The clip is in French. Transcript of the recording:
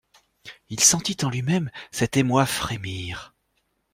Il sentit en lui-même cet émoi frémir.